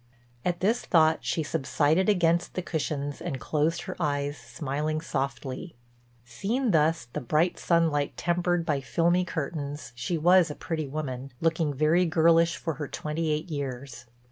At this thought she subsided against the cushions, and closed her eyes smiling softly. Seen thus, the bright sunlight tempered by filmy curtains, she was a pretty woman, looking very girlish for her twenty eight years.